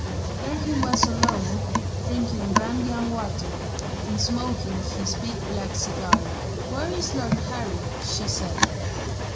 There he was alone, drinking brandy and water, and smoking his big black cigar. "Where is Lord Harry?" she said.